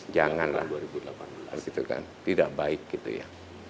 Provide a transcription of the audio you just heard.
dua ribu delapan belas janganlah tidak baik gitu ya